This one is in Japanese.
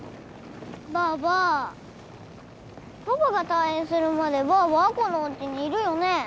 ばあばパパが退院するまでばあば亜子のおうちにいるよね？